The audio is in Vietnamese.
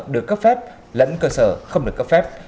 được cấp phép lẫn cơ sở không được cấp phép